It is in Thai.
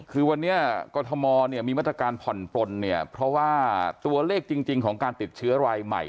คือวันนี้กรทมเนี่ยมีมาตรการผ่อนปลนเนี่ยเพราะว่าตัวเลขจริงของการติดเชื้อรายใหม่